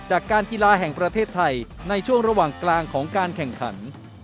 จากการกีฬาแห่งประเทศไทยในช่วงระหว่างกลางของการแข่งขัน